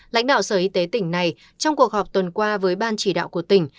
lãnh đạo sở y tế tỉnh này trong cuộc họp tuần qua với ban chỉ đạo của tỉnh